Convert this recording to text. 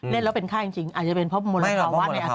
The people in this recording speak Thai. เล่นแล้วเป็นค่าจริงอาจจะเป็นเพราะมลภาวะ